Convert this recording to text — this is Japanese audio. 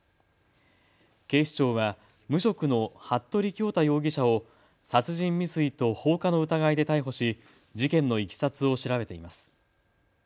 警視庁は無職の服部恭太容疑者を殺人未遂と放火の疑いで逮捕し事件のいきさつを調べています。